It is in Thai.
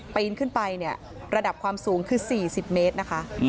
ปีนขึ้นไปเนี่ยระดับความสูงคือ๔๐เมตรนะคะ